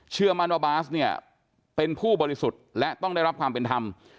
เชื่อมั่นว่าบาสเนี่ยเป็นผู้บริสุทธิ์และต้องได้รับความเป็นธรรม